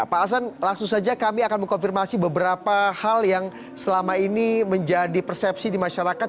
pak hasan langsung saja kami akan mengkonfirmasi beberapa hal yang selama ini menjadi persepsi di masyarakat